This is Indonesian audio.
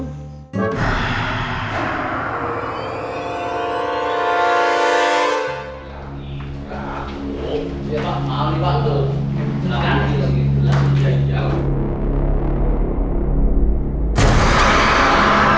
pak bapak apa kabar